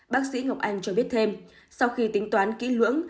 bác sĩ ngọc anh cho biết thêm sau khi tính toán kỹ lưỡng